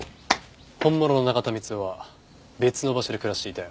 本物の中田光夫は別の場所で暮らしていたよ。